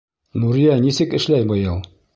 — Нурия нисек эшләй быйыл?